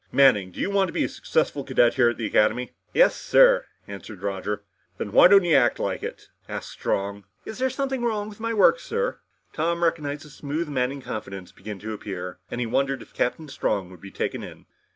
"Manning, do you want to be a successful cadet here at Space Academy?" "Yes, sir," answered Roger. "Then why don't you act like it?" asked Strong. "Is there something wrong with my work, sir?" Tom recognized the smooth Manning confidence begin to appear, and he wondered if Captain Strong would be taken in.